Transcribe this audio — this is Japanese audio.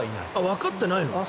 わかってないの？